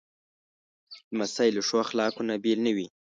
لمسی له ښو اخلاقو نه بېل نه وي.